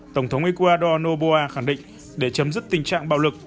tổng thống ecuador noboa khẳng định để chấm dứt tình trạng bạo lực